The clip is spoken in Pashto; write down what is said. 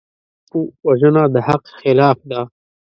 وژنه د حق خلاف ده